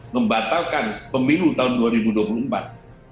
membatalkan pemilu tahun dua ribu dua puluh empat